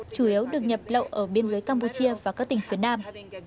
chủ yếu được nhập lậu ở biên giới campuchia và các tỉnh phía nam